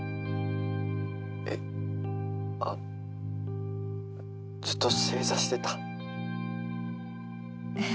☎えっあっ☎ずっと正座してたえっ